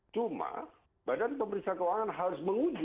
cuma badan pemeriksa keuangan harus menguji